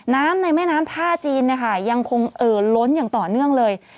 ในแม่น้ำท่าจีนนะคะยังคงเอ่อล้นอย่างต่อเนื่องเลย